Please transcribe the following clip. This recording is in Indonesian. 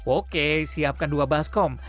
oke siapkan dua baskom